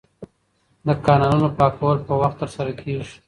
د کانالونو پاکول په وخت ترسره کیږي.